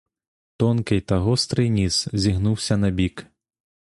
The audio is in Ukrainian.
Тонкий та гострий ніс зігнувся набік.